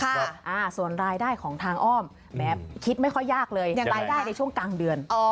ส่วนรายได้ของทางอ้อมแม้คิดไม่ค่อยยากเลยรายได้ในช่วงกลางเดือน